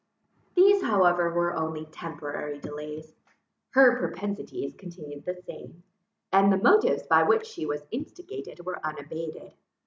These however were only temporary delays. Her propensities continued the same, and the motives by which she was instigated were unabated.